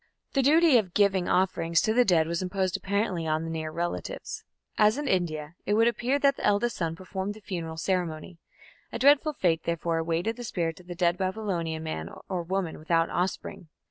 The duty of giving offerings to the dead was imposed apparently on near relatives. As in India, it would appear that the eldest son performed the funeral ceremony: a dreadful fate therefore awaited the spirit of the dead Babylonian man or woman without offspring.